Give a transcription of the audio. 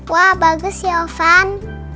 wah bagus ya ovan